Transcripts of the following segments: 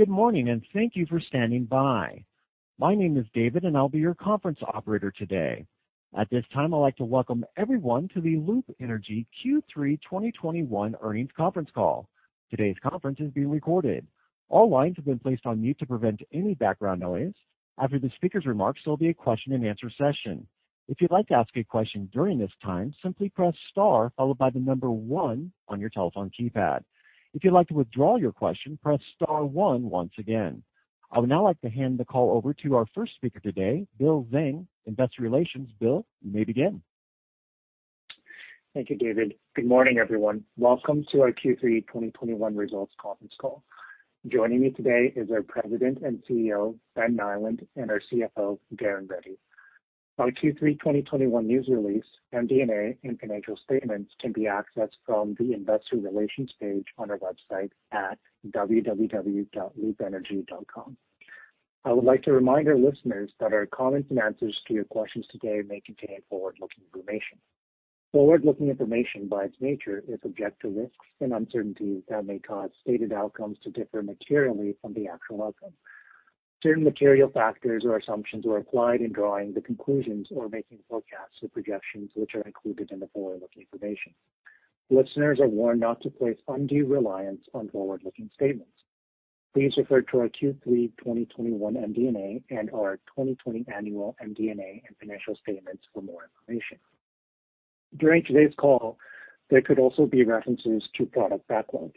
Good morning, and thank you for standing by. My name is David, and I'll be your conference operator today. At this time, I'd like to welcome everyone to the Loop Energy Q3 2021 earnings conference call. Today's conference is being recorded. All lines have been placed on mute to prevent any background noise. After the speaker's remarks, there'll be a question-and-answer session. If you'd like to ask a question during this time, simply press star followed by the number one on your telephone keypad. If you'd like to withdraw your question, press star one once again. I would now like to hand the call over to our first speaker today, Bill Zhang, Investor Relations. Bill, you may begin. Thank you, David. Good morning, everyone. Welcome to our Q3 2021 results conference call. Joining me today is our President and CEO, Ben Nyland, and our CFO, Darren Ready. Our Q3 2021 news release, MD&A, and financial statements can be accessed from the Investor Relations page on our website at www.loopenergy.com. I would like to remind our listeners that our comments and answers to your questions today may contain forward-looking information. Forward-looking information, by its nature, is subject to risks and uncertainties that may cause stated outcomes to differ materially from the actual outcome. Certain material factors or assumptions are applied in drawing the conclusions or making forecasts or projections which are included in the forward-looking information. Listeners are warned not to place undue reliance on forward-looking statements. Please refer to our Q3 2021 MD&A and our 2020 annual MD&A and financial statements for more information. During today's call, there could also be references to product backlog.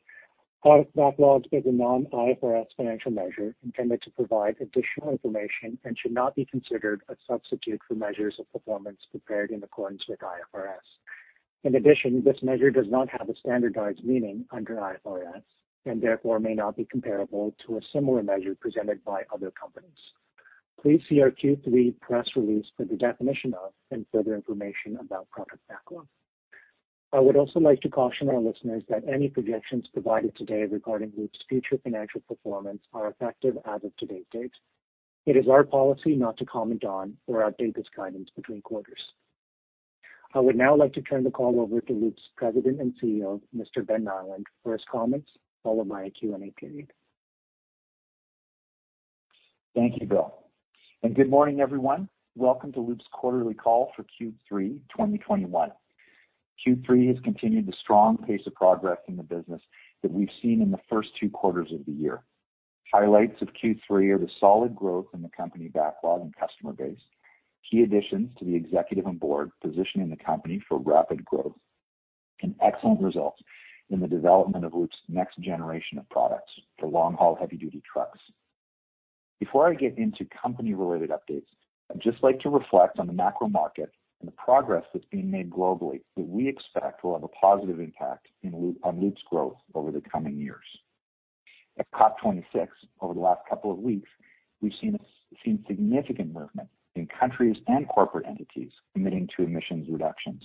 Product backlog is a non-IFRS financial measure intended to provide additional information and should not be considered a substitute for measures of performance prepared in accordance with IFRS. In addition, this measure does not have a standardized meaning under IFRS, and therefore may not be comparable to a similar measure presented by other companies. Please see our Q3 press release for the definition of and further information about product backlog. I would also like to caution our listeners that any projections provided today regarding Loop's future financial performance are effective as of today's date. It is our policy not to comment on or update this guidance between quarters. I would now like to turn the call over to Loop's President and CEO, Mr. Ben Nyland, for his comments, followed by a Q&A period. Thank you, Bill. Good morning, everyone. Welcome to Loop's quarterly call for Q3 2021. Q3 has continued the strong pace of progress in the business that we've seen in the first two quarters of the year. Highlights of Q3 are the solid growth in the company backlog and customer base, key additions to the executive and board positioning the company for rapid growth, and excellent results in the development of Loop's next generation of products for long-haul heavy-duty trucks. Before I get into company-related updates, I'd just like to reflect on the macro market and the progress that's being made globally that we expect will have a positive impact on Loop's growth over the coming years. At COP26 over the last couple of weeks, we've seen significant movement in countries and corporate entities committing to emissions reductions.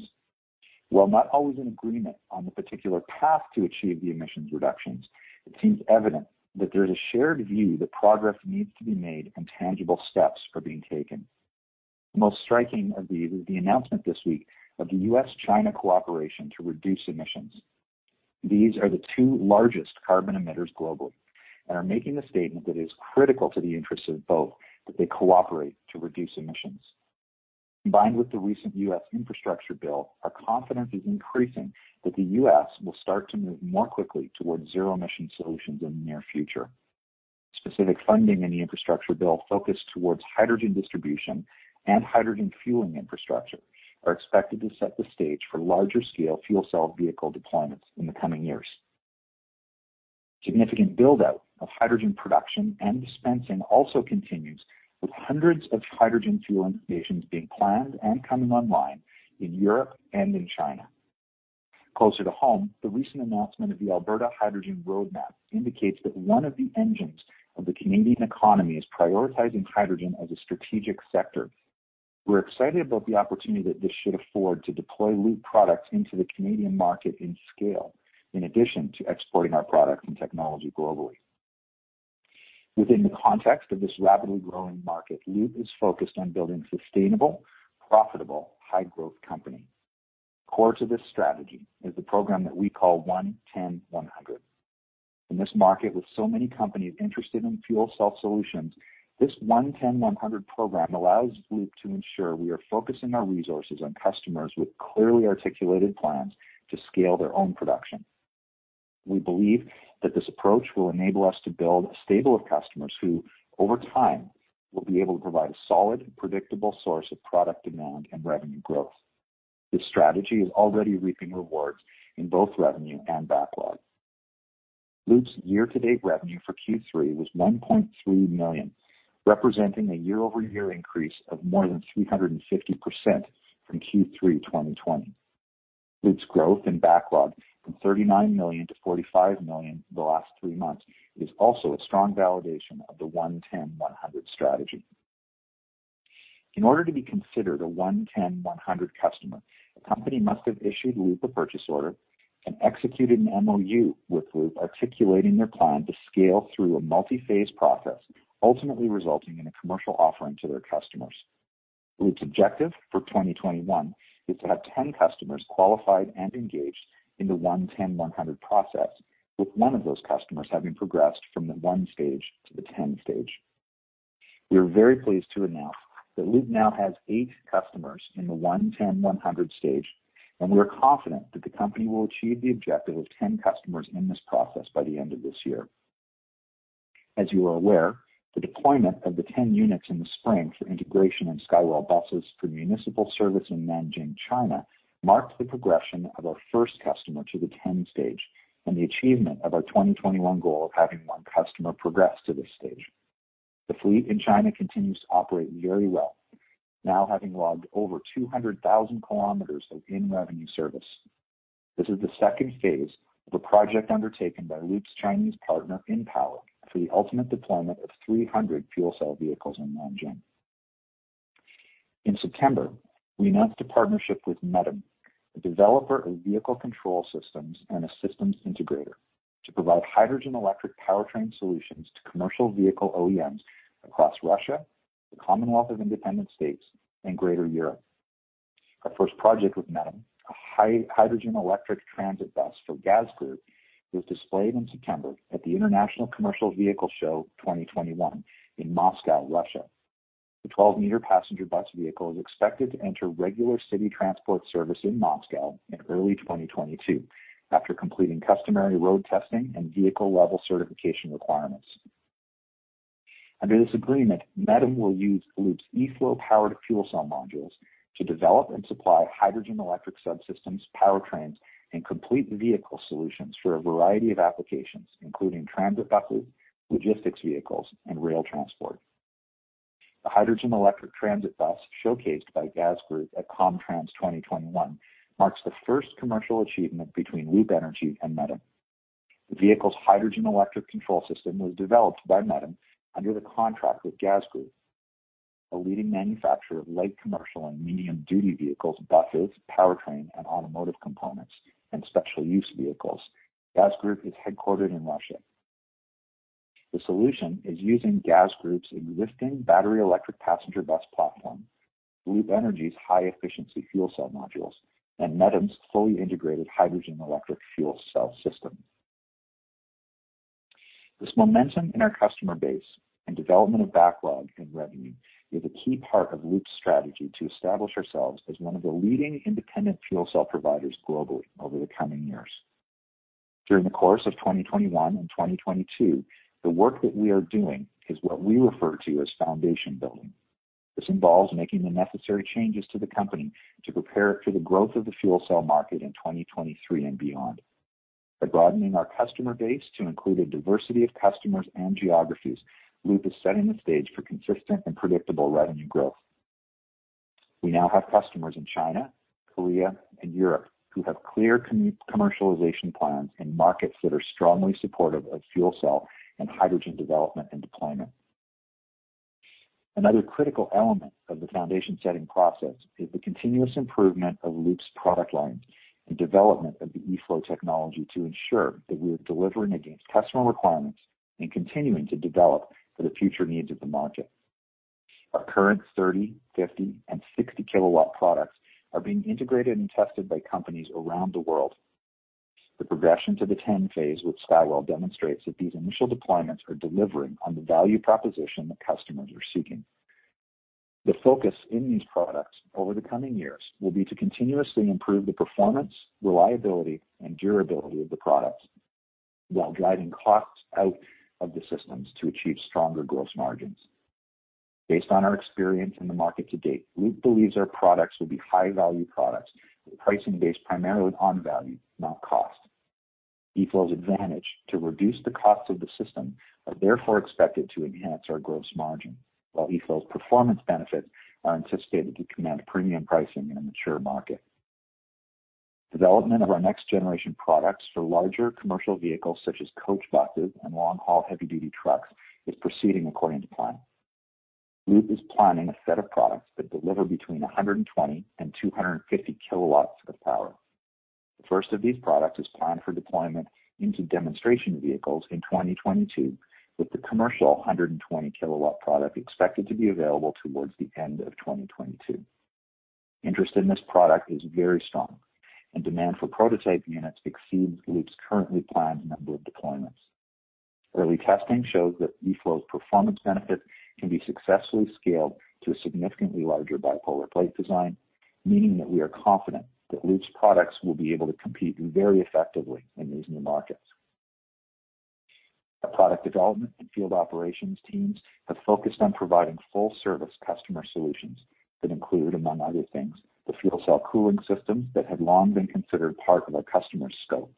While not always in agreement on the particular path to achieve the emissions reductions, it seems evident that there is a shared view that progress needs to be made and tangible steps are being taken. Most striking of these is the announcement this week of the U.S. and China cooperation to reduce emissions. These are the two largest carbon emitters globally and are making the statement that is critical to the interests of both that they cooperate to reduce emissions. Combined with the recent U.S. infrastructure bill, our confidence is increasing that the U.S. will start to move more quickly towards zero-emission solutions in the near future. Specific funding in the infrastructure bill focused towards hydrogen distribution and hydrogen fueling infrastructure are expected to set the stage for larger scale fuel cell vehicle deployments in the coming years. Significant build-out of hydrogen production and dispensing also continues, with hundreds of hydrogen fueling stations being planned and coming online in Europe and in China. Closer to home, the recent announcement of the Alberta Hydrogen Roadmap indicates that one of the engines of the Canadian economy is prioritizing hydrogen as a strategic sector. We're excited about the opportunity that this should afford to deploy Loop products into the Canadian market in scale, in addition to exporting our products and technology globally. Within the context of this rapidly growing market, Loop is focused on building sustainable, profitable, high-growth company. Core to this strategy is the program that we call 1-10-100. In this market with so many companies interested in fuel cell solutions, this 1-10-100 program allows Loop to ensure we are focusing our resources on customers with clearly articulated plans to scale their own production. We believe that this approach will enable us to build a stable of customers who, over time, will be able to provide a solid and predictable source of product demand and revenue growth. This strategy is already reaping rewards in both revenue and backlog. Loop's year-to-date revenue for Q3 was 1.3 million, representing a year-over-year increase of more than 350% from Q3 2020. Loop's growth and backlog from 39 million to 45 million in the last three months is also a strong validation of the 1-10-100 strategy. In order to be considered a 1-10-100 customer, a company must have issued Loop a purchase order and executed an MOU with Loop, articulating their plan to scale through a multi-phase process, ultimately resulting in a commercial offering to their customers. Loop's objective for 2021 is to have 10 customers qualified and engaged in the 1-10-100 process, with one of those customers having progressed from the one stage to the 10-stage. We are very pleased to announce that Loop now has eight customers in the 1-10-100 stage, and we are confident that the company will achieve the objective of 10 customers in this process by the end of this year. As you are aware, the deployment of the 10 units in the spring for integration in Skywell buses for municipal service in Nanjing, China marked the progression of our first customer to the 10-stage and the achievement of our 2021 goal of having one customer progress to this stage. The fleet in China continues to operate very well, now having logged over 200,000 km of in-revenue service. This is the second phase of a project undertaken by Loop's Chinese partner, IN-Power, for the ultimate deployment of 300 fuel cell vehicles in Nanjing. In September, we announced a partnership with METTEM-M, a developer of vehicle control systems and a systems integrator, to provide hydrogen electric powertrain solutions to commercial vehicle OEMs across Russia, the Commonwealth of Independent States, and Greater Europe. Our first project with METTEM-M, a hydrogen electric transit bus for GAZ Group, was displayed in September at the International Commercial Vehicle Show 2021 in Moscow, Russia. The 12-meter passenger bus vehicle is expected to enter regular city transport service in Moscow in early 2022 after completing customary road testing and vehicle-level certification requirements. Under this agreement, METTEM-M will use Loop's eFlow-powered fuel cell modules to develop and supply hydrogen electric subsystems, powertrains, and complete vehicle solutions for a variety of applications, including transit buses, logistics vehicles, and rail transport. The hydrogen electric transit bus showcased by GAZ Group at COMTRANS 2021 marks the first commercial achievement between Loop Energy and METTEM-M. The vehicle's hydrogen electric control system was developed by METTEM-M under the contract with GAZ Group, a leading manufacturer of light commercial and medium-duty vehicles, buses, powertrain, and automotive components, and special-use vehicles. GAZ Group is headquartered in Russia. The solution is using GAZ Group's existing battery electric passenger bus platform, Loop Energy's high-efficiency fuel cell modules, and METTEM-M's fully integrated hydrogen electric fuel cell system. This momentum in our customer base and development of backlog and revenue is a key part of Loop's strategy to establish ourselves as one of the leading independent fuel cell providers globally over the coming years. During the course of 2021 and 2022, the work that we are doing is what we refer to as foundation building. This involves making the necessary changes to the company to prepare it for the growth of the fuel cell market in 2023 and beyond. By broadening our customer base to include a diversity of customers and geographies, Loop is setting the stage for consistent and predictable revenue growth. We now have customers in China, Korea, and Europe who have clear commercialization plans in markets that are strongly supportive of fuel cell and hydrogen development and deployment. Another critical element of the foundation-setting process is the continuous improvement of Loop's product lines and development of the eFlow technology to ensure that we are delivering against customer requirements and continuing to develop for the future needs of the market. Our current 30kW, 50kW, and 60 kW products are being integrated and tested by companies around the world. The progression to the 1-10-100 phase with Skywell demonstrates that these initial deployments are delivering on the value proposition that customers are seeking. The focus in these products over the coming years will be to continuously improve the performance, reliability, and durability of the products while driving costs out of the systems to achieve stronger gross margins. Based on our experience in the market to date, Loop believes our products will be high-value products with pricing based primarily on value, not cost. eFlow's advantage to reduce the cost of the system are therefore expected to enhance our gross margin, while eFlow's performance benefits are anticipated to command premium pricing in a mature market. Development of our next-generation products for larger commercial vehicles such as coach buses and long-haul heavy-duty trucks is proceeding according to plan. Loop is planning a set of products that deliver between 120kW and 250 kW of power. The first of these products is planned for deployment into demonstration vehicles in 2022, with the commercial 120 kW product expected to be available towards the end of 2022. Interest in this product is very strong, and demand for prototype units exceeds Loop's currently planned number of deployments. Early testing shows that eFlow's performance benefit can be successfully scaled to a significantly larger bipolar plate design, meaning that we are confident that Loop's products will be able to compete very effectively in these new markets. Our product development and field operations teams have focused on providing full-service customer solutions that include, among other things, the fuel cell cooling systems that have long been considered part of our customers' scope.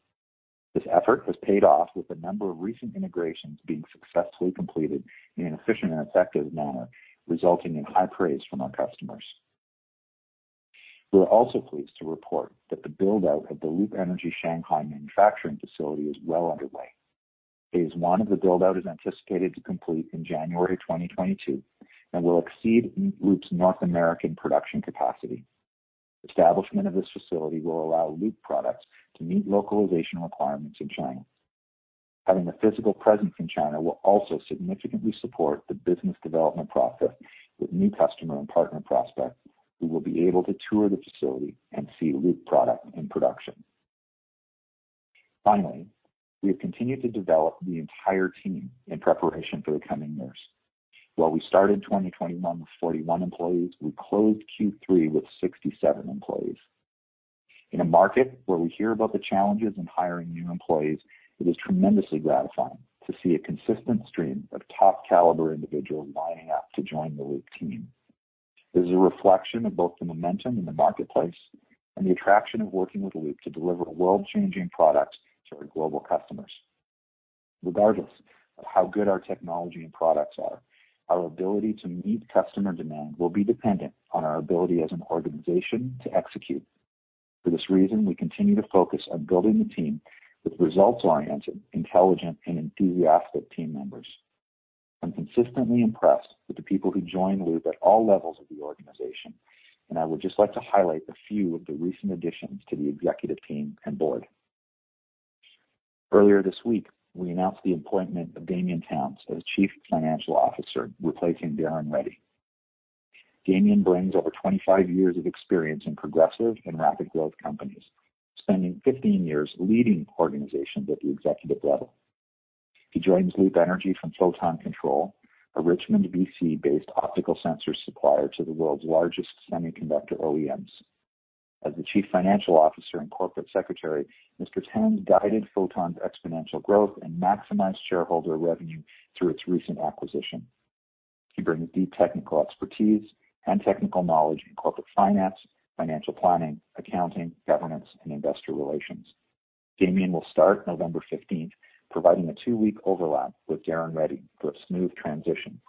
This effort has paid off with a number of recent integrations being successfully completed in an efficient and effective manner, resulting in high praise from our customers. We are also pleased to report that the build-out of the Loop Energy Shanghai manufacturing facility is well underway. Phase I of the build-out is anticipated to complete in January 2022 and will exceed Loop's North American production capacity. Establishment of this facility will allow Loop products to meet localization requirements in China. Having a physical presence in China will also significantly support the business development process with new customer and partner prospects who will be able to tour the facility and see Loop product in production. Finally, we have continued to develop the entire team in preparation for the coming years. While we started 2021 with 41 employees, we closed Q3 with 67 employees. In a market where we hear about the challenges in hiring new employees, it is tremendously gratifying to see a consistent stream of top caliber individuals lining up to join the Loop team. This is a reflection of both the momentum in the marketplace and the attraction of working with Loop to deliver world-changing products to our global customers. Regardless of how good our technology and products are, our ability to meet customer demand will be dependent on our ability as an organization to execute. For this reason, we continue to focus on building the team with results-oriented, intelligent, and enthusiastic team members. I'm consistently impressed with the people who join Loop at all levels of the organization, and I would just like to highlight a few of the recent additions to the executive team and board. Earlier this week, we announced the appointment of Damian Towns as Chief Financial Officer, replacing Darren Ready. Damian brings over 25 years of experience in progressive and rapid growth companies, spending 15 years leading organizations at the executive level. He joins Loop Energy from Photon Control, a Richmond, B.C.-based optical sensor supplier to the world's largest semiconductor OEMs. As the Chief Financial Officer and Corporate Secretary, Mr. Towns guided Photon's exponential growth and maximized shareholder revenue through its recent acquisition. He brings deep technical expertise and technical knowledge in corporate finance, financial planning, accounting, governance, and investor relations. Damian will start November 15th, providing a two-week overlap with Darren Ready for a smooth transition.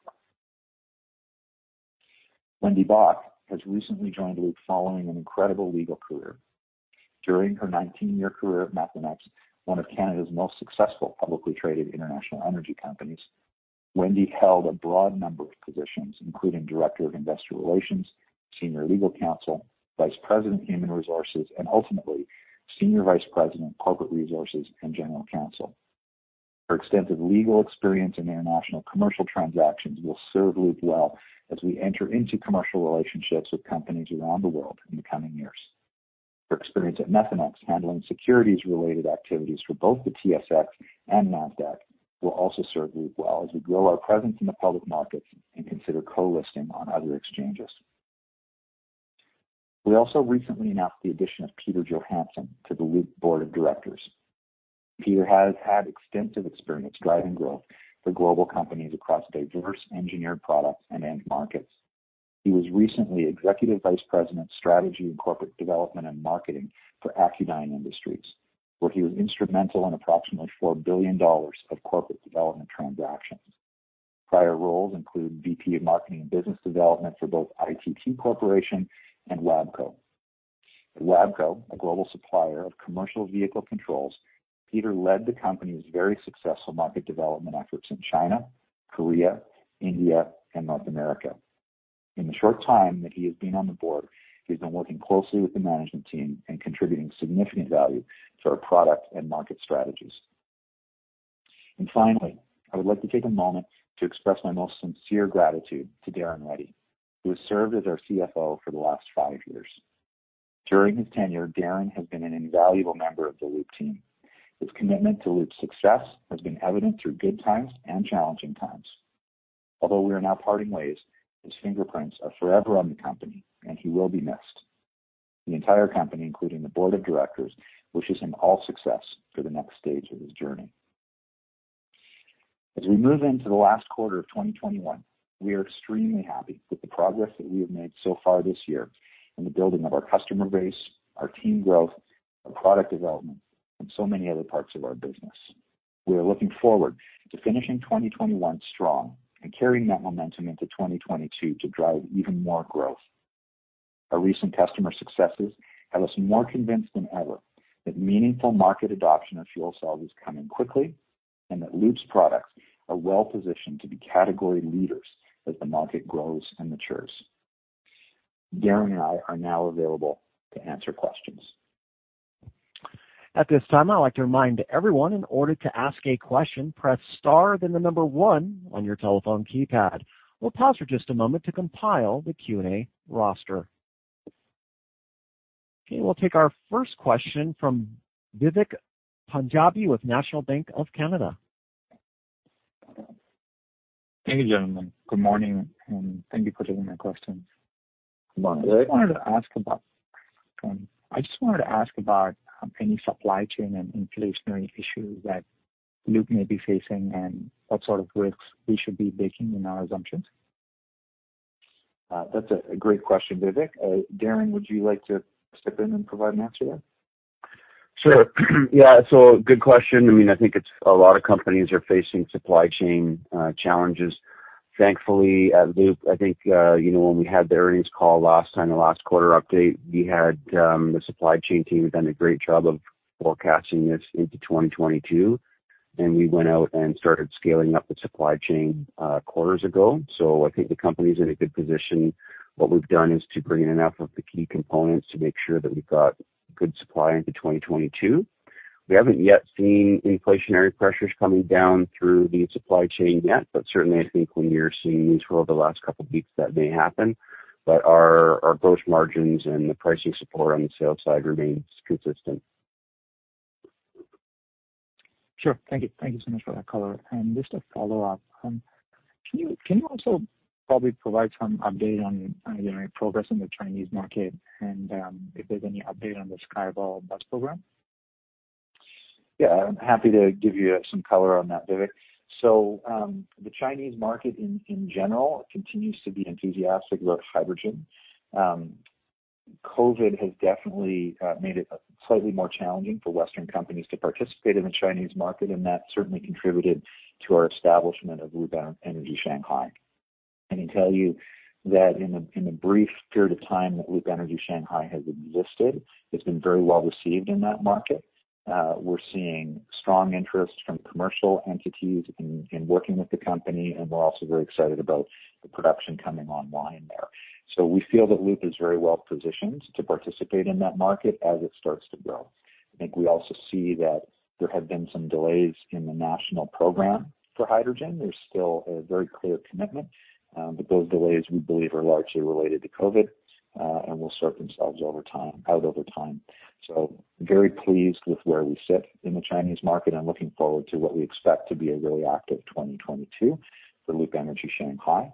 Wendy Bach has recently joined Loop Energy following an incredible legal career. During her 19-year career at Methanex, one of Canada's most successful publicly traded international energy companies, Wendy held a broad number of positions, including Director of Investor Relations, Senior Legal Counsel, Vice President, Human Resources, and ultimately, Senior Vice President, Corporate Resources and General Counsel. Her extensive legal experience in international commercial transactions will serve Loop well as we enter into commercial relationships with companies around the world in the coming years. Her experience at Methanex handling securities-related activities for both the TSX and Nasdaq will also serve Loop well as we grow our presence in the public markets and consider co-listing on other exchanges. We also recently announced the addition of Peter Johansson to the Loop board of directors. Peter has had extensive experience driving growth for global companies across diverse engineered products and end markets. He was recently Executive Vice President, Strategy, Corporate Development and Marketing for Accudyne Industries, where he was instrumental in approximately $4 billion of corporate development transactions. Prior roles include VP of Marketing and Business Development for both ITT Corporation and WABCO. At WABCO, a global supplier of commercial vehicle controls, Peter led the company's very successful market development efforts in China, Korea, India, and North America. In the short time that he has been on the board, he's been working closely with the management team and contributing significant value to our product and market strategies. Finally, I would like to take a moment to express my most sincere gratitude to Darren Ready, who has served as our CFO for the last five years. During his tenure, Darren has been an invaluable member of the Loop team. His commitment to Loop's success has been evident through good times and challenging times. Although we are now parting ways, his fingerprints are forever on the company, and he will be missed. The entire company, including the board of directors, wishes him all success for the next stage of his journey. As we move into the last quarter of 2021, we are extremely happy with the progress that we have made so far this year in the building of our customer base, our team growth, our product development, and so many other parts of our business. We are looking forward to finishing 2021 strong and carrying that momentum into 2022 to drive even more growth. Our recent customer successes have us more convinced than ever that meaningful market adoption of fuel cells is coming quickly and that Loop's products are well-positioned to be category leaders as the market grows and matures. Darren and I are now available to answer questions. At this time, I'd like to remind everyone, in order to ask a question, press star, then the number one on your telephone keypad. We'll pause for just a moment to compile the Q&A roster. Okay. We'll take our first question from Viveck Panjabi with National Bank of Canada. Thank you, gentlemen. Good morning, and thank you for taking my questions. Good morning, Viveck. I just wanted to ask about any supply chain and inflationary issues that Loop may be facing and what sort of risks we should be making in our assumptions. That's a great question, Viveck. Darren, would you like to step in and provide an answer there? Sure. Yeah. Good question. I mean, I think a lot of companies are facing supply chain challenges. Thankfully, at Loop, I think, you know, when we had the earnings call last time, the last quarter update, we had the supply chain team done a great job of forecasting this into 2022, and we went out and started scaling up the supply chain quarters ago. I think the company's in a good position. What we've done is to bring in enough of the key components to make sure that we've got good supply into 2022. We haven't yet seen inflationary pressures coming down through the supply chain yet, but certainly I think when you're seeing these over the last couple of weeks, that may happen. Our gross margins and the pricing support on the sales side remains consistent. Sure. Thank you. Thank you so much for that color. Just a follow-up. Can you also probably provide some update on, you know, progress in the Chinese market and, if there's any update on the Skywell bus program? Yeah, I'm happy to give you some color on that, Viveck. The Chinese market in general continues to be enthusiastic about hydrogen. COVID has definitely made it slightly more challenging for Western companies to participate in the Chinese market, and that certainly contributed to our establishment of Loop Energy Shanghai. I can tell you that in a brief period of time that Loop Energy Shanghai has existed, it's been very well received in that market. We're seeing strong interest from commercial entities in working with the company, and we're also very excited about the production coming online there. We feel that Loop is very well-positioned to participate in that market as it starts to grow. I think we also see that there have been some delays in the national program for hydrogen. There's still a very clear commitment, but those delays, we believe, are largely related to COVID, and will sort themselves out over time. Very pleased with where we sit in the Chinese market. I'm looking forward to what we expect to be a really active 2022 for Loop Energy Shanghai.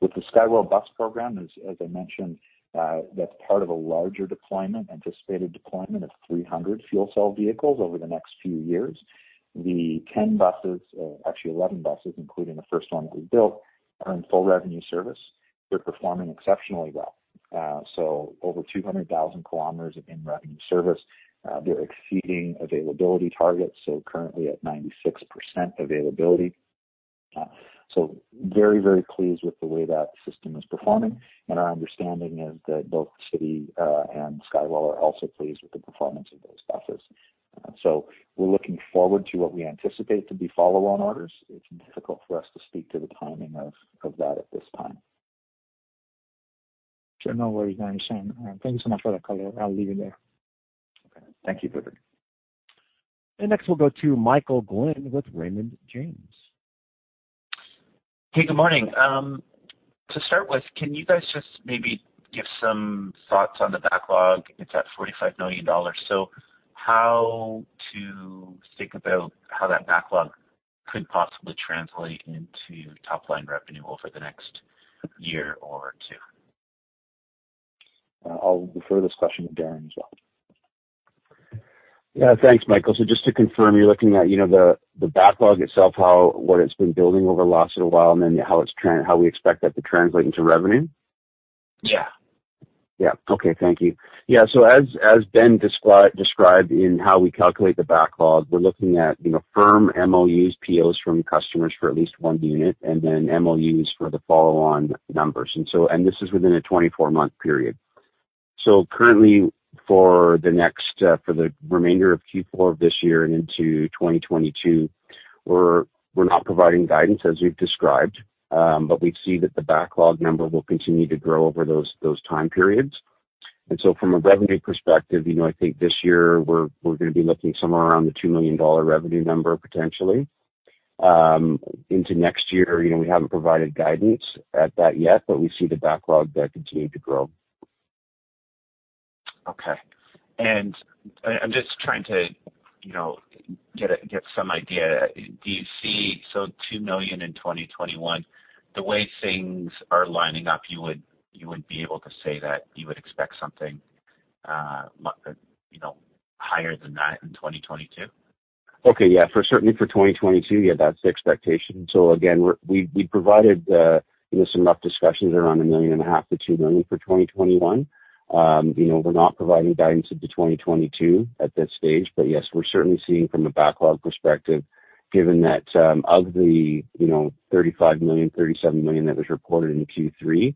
With the Skywell bus program, as I mentioned, that's part of a larger deployment, anticipated deployment of 300 fuel cell vehicles over the next few years. The 10 buses, actually 11 buses, including the first one that we built, are in full revenue service. They're performing exceptionally well. Over 200,000 km in revenue service. They're exceeding availability targets, so currently at 96% availability. Very, very pleased with the way that system is performing. Our understanding is that both the city and Skywell are also pleased with the performance of those buses. We're looking forward to what we anticipate to be follow-on orders. It's difficult for us to speak to the timing of that at this time. Sure. No worries. I understand. Thank you so much for that color. I'll leave it there. Okay. Thank you, Vivek. Next, we'll go to Michael Glen with Raymond James. Hey, good morning. To start with, can you guys just maybe give some thoughts on the backlog? It's at 45 million dollars. How to think about how that backlog could possibly translate into top-line revenue over the next year or two? I'll refer this question to Darren as well. Yeah. Thanks, Michael. Just to confirm, you're looking at, you know, the backlog itself, what it's been building over the last little while, and then how we expect that to translate into revenue? Yeah. Yeah. Okay. Thank you. Yeah. As Ben described in how we calculate the backlog, we're looking at, you know, firm MOUs, POs from customers for at least one unit, and then MOUs for the follow-on numbers. This is within a 24-month period. Currently, for the next, for the remainder of Q4 of this year and into 2022, we're not providing guidance as we've described, but we see that the backlog number will continue to grow over those time periods. From a revenue perspective, you know, I think this year we're gonna be looking somewhere around 2 million dollar revenue number potentially. Into next year, you know, we haven't provided guidance at that yet, but we see the backlog there continue to grow. I'm just trying to, you know, get some idea. 2 million in 2021, the way things are lining up, you would be able to say that you would expect something, you know, higher than that in 2022? Okay. Yeah. Certainly for 2022, yeah, that's the expectation. Again, we provided, you know, some rough discussions around 1.5 million-2 million for 2021. You know, we're not providing guidance into 2022 at this stage, but yes, we're certainly seeing from a backlog perspective, given that of the 35 million-37 million that was reported in Q3,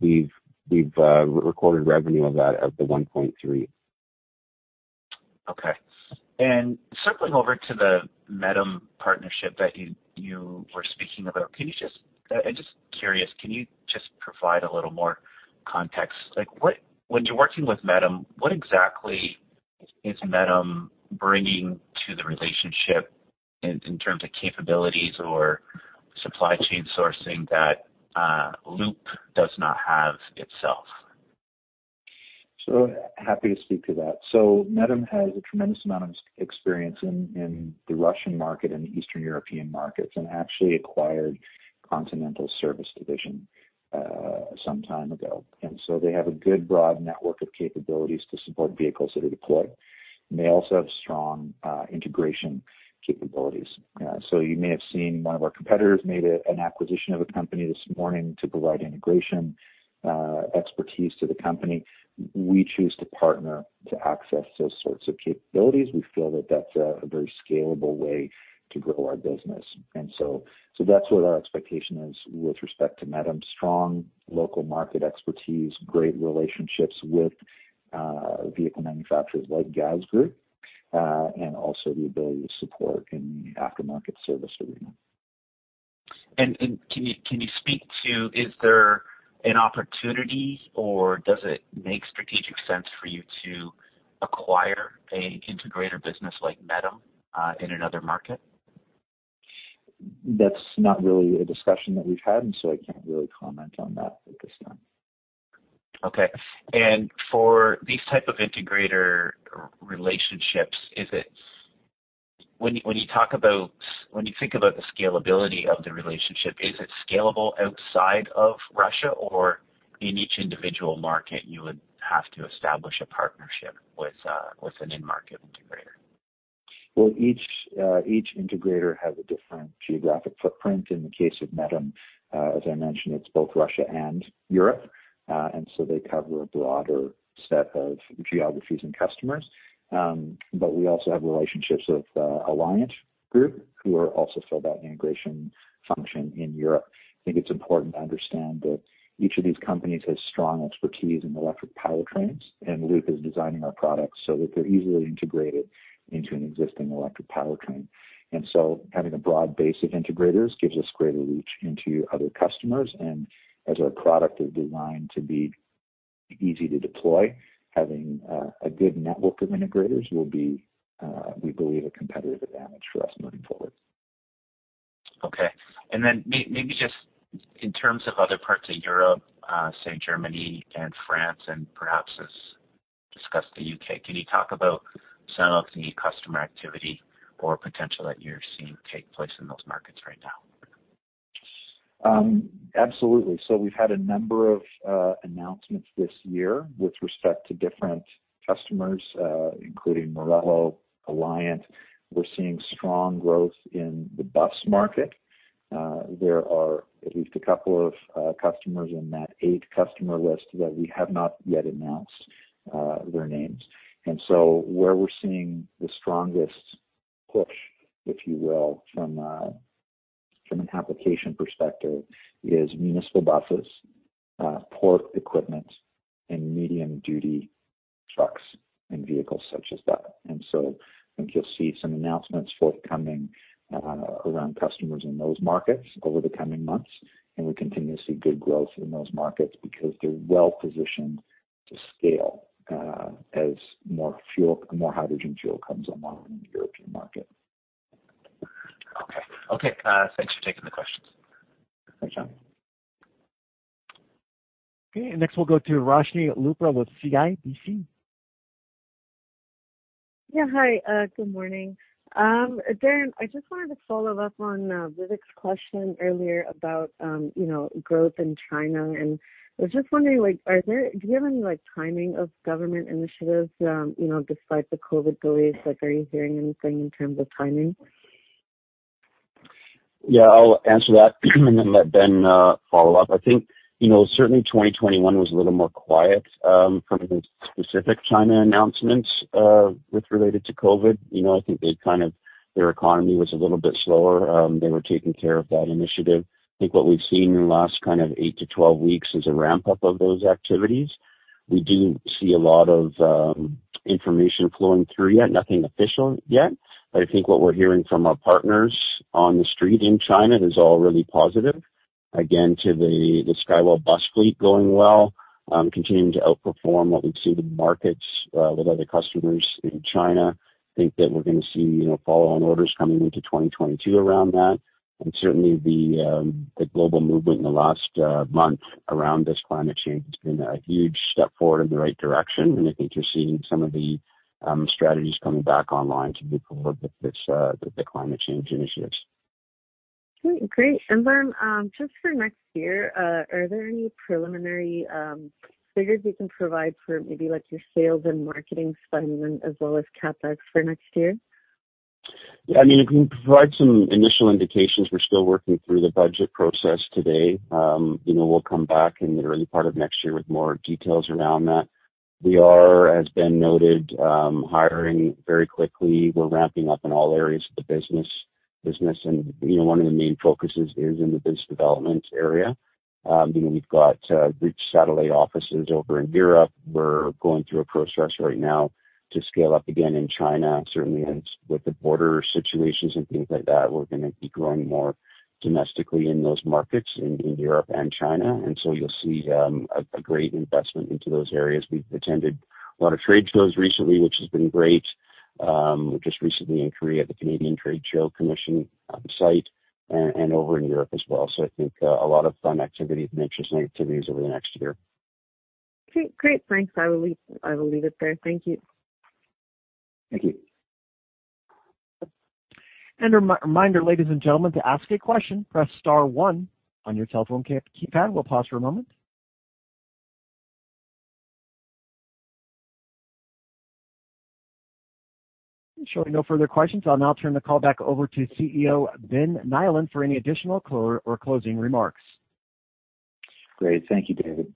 we've recorded revenue of that the 1.3 million. Okay. Circling over to the METTEM-M partnership that you were speaking about. I'm just curious. Can you just provide a little more context? Like, when you're working with METTEM-M, what exactly is METTEM-M bringing to the relationship in terms of capabilities or supply chain sourcing that Loop does not have itself? Happy to speak to that. METTEM-M has a tremendous amount of experience in the Russian market and the Eastern European markets, and actually acquired Continental Service Division some time ago. They have a good, broad network of capabilities to support vehicles that are deployed, and they also have strong integration capabilities. You may have seen one of our competitors made an acquisition of a company this morning to provide integration expertise to the company. We choose to partner to access those sorts of capabilities. We feel that that's a very scalable way to grow our business. That's what our expectation is with respect to METTEM-M. Strong local market expertise, great relationships with vehicle manufacturers like GAZ Group, and also the ability to support in the aftermarket service arena. Can you speak to is there an opportunity or does it make strategic sense for you to acquire a integrator business like METTEM-M in another market? That's not really a discussion that we've had, and so I can't really comment on that at this time. Okay. For these type of integrator relationships, when you think about the scalability of the relationship, is it scalable outside of Russia or in each individual market you would have to establish a partnership with an in-market integrator? Well, each integrator has a different geographic footprint. In the case of METTEM-M, as I mentioned, it's both Russia and Europe, and so they cover a broader set of geographies and customers. We also have relationships with Aliant who also fill that integration function in Europe. I think it's important to understand that each of these companies has strong expertise in electric powertrains, and Loop is designing our products so that they're easily integrated into an existing electric powertrain. Having a broad base of integrators gives us greater reach into other customers. As our product is designed to be easy to deploy, having a good network of integrators will be, we believe, a competitive advantage for us moving forward. Okay. Maybe just in terms of other parts of Europe, say Germany and France and perhaps as discussed, the U.K., can you talk about some of the customer activity or potential that you're seeing take place in those markets right now? Absolutely. We've had a number of announcements this year with respect to different customers, including Morello, Aliant. We're seeing strong growth in the bus market. There are at least a couple of customers in that eight customer list that we have not yet announced their names. Where we're seeing the strongest push, if you will, from an application perspective is municipal buses, port equipment and medium duty trucks and vehicles such as that. I think you'll see some announcements forthcoming around customers in those markets over the coming months. We continue to see good growth in those markets because they're well positioned to scale as more fuel, more hydrogen fuel comes online in the European market. Okay. Thanks for taking the questions. Thanks, [sure]. Okay, next we'll go to Roshni Luthra with CIBC. Yeah, hi, good morning. Darren, I just wanted to follow up on Vivek's question earlier about, you know, growth in China, and I was just wondering, like, do you have any, like, timing of government initiatives, you know, despite the COVID delays? Like, are you hearing anything in terms of timing? Yeah, I'll answer that and then let Ben follow up. I think, you know, certainly 2021 was a little more quiet from specific China announcements related to COVID. You know, I think their economy was a little bit slower. They were taking care of that initiative. I think what we've seen in the last kind of eight to 12 weeks is a ramp-up of those activities. We do see a lot of information flowing through, yet nothing official yet. I think what we're hearing from our partners on the street in China is all really positive. Again, to the Skywell bus fleet going well, continuing to outperform what we've seen in markets with other customers in China. I think that we're gonna see, you know, follow-on orders coming into 2022 around that. Certainly the global movement in the last month around this climate change has been a huge step forward in the right direction. I think you're seeing some of the strategies coming back online to be supportive with this the climate change initiatives. Great. Ben, just for next year, are there any preliminary figures you can provide for maybe like your sales and marketing spend as well as CapEx for next year? Yeah, I mean, we can provide some initial indications. We're still working through the budget process today. You know, we'll come back in the early part of next year with more details around that. We are, as Ben noted, hiring very quickly. We're ramping up in all areas of the business and, you know, one of the main focuses is in the BIZ development area. You know, we've got research satellite offices over in Europe. We're going through a process right now to scale up again in China. Certainly as with the border situations and things like that, we're gonna be growing more domestically in those markets in Europe and China. You'll see a great investment into those areas. We've attended a lot of trade shows recently, which has been great. Just recently in Korea, the Canadian Trade Commissioner Service on site and over in Europe as well. I think a lot of fun activity and interesting activities over the next year. Okay, great. Thanks. I will leave it there. Thank you. Thank you. Reminder ladies and gentlemen, to ask a question, press star one on your telephone keypad. We'll pause for a moment. Showing no further questions, I'll now turn the call back over to CEO Ben Nyland for any additional or closing remarks. Great. Thank you, David.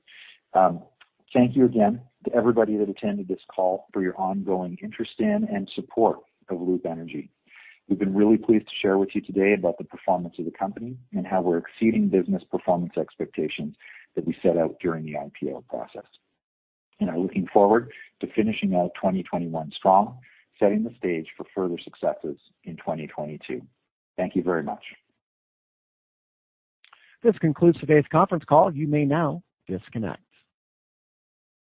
Thank you again to everybody that attended this call for your ongoing interest in and support of Loop Energy. We've been really pleased to share with you today about the performance of the company and how we're exceeding business performance expectations that we set out during the IPO process. We are looking forward to finishing out 2021 strong, setting the stage for further successes in 2022. Thank you very much. This concludes today's conference call. You may now disconnect.